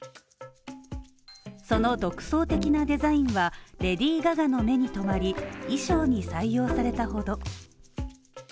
その独創的なデザインはレディー・ガガの目に止まり衣装に採用されたほど。